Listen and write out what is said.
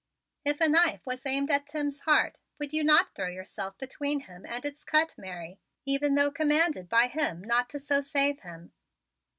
"If a knife was aimed at Timms' heart, would you not throw yourself between him and its cut, Mary, even though commanded by him not to so save him?"